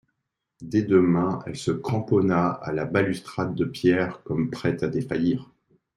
Des deux mains elle se cramponna à la balustrade de pierre, comme prête à défaillir.